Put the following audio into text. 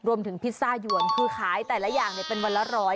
พิซซ่ายวนคือขายแต่ละอย่างเป็นวันละ๑๐๐